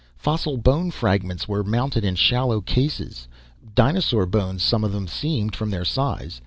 Fossil bone fragments were mounted in shallow cases. Dinosaur bones, some of them seemed, from their size.